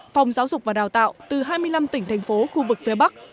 phòng giáo dục và đào tạo từ hai mươi năm tỉnh thành phố khu vực phía bắc